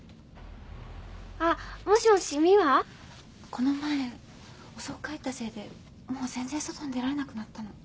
この前遅く帰ったせいでもう全然外に出られなくなったの。